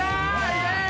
イェーイ！